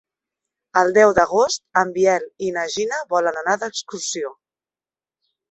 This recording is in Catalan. El deu d'agost en Biel i na Gina volen anar d'excursió.